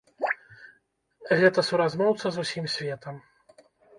Гэта суразмоўца з усім светам.